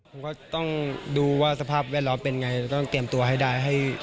ผมก็ต้องดูว่าสภาพแวดล้อมเป็นไงต้องเตรียมตัวให้ได้